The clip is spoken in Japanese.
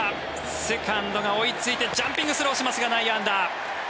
セカンドが追いついてジャンピングスローしますが内野安打。